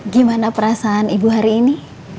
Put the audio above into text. gimana perasaan ibu hari ini